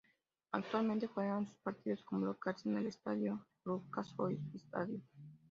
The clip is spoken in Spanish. Actualmente juegan sus partidos como locales en el estadio Lucas Oil Stadium.